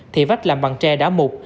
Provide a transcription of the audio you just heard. thì vách làm bằng tre đá mục